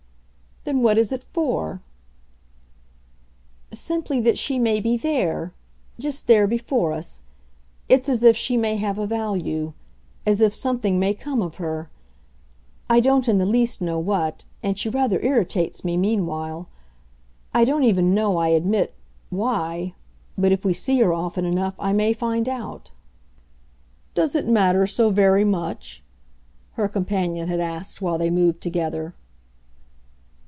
"Then what is it for?" "Simply that she may be THERE just there before us. It's as if she may have a value as if something may come of her. I don't in the least know what, and she rather irritates me meanwhile. I don't even know, I admit, why but if we see her often enough I may find out." "Does it matter so very much?" her companion had asked while they moved together.